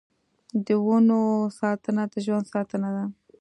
د ونو ساتنه د ژوند ساتنه ده.